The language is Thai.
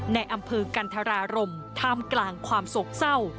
ในอำเภอกันธรารมท่ามกลางความโศกเศร้า